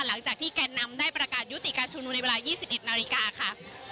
แกนนำได้ประกาศยุติการชุมนุมในเวลา๒๑นาฬิกาค่ะ